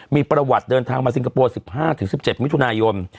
มีประวัติเดินทางมาซิงคโปร์๑๕๑๗มิถุนายน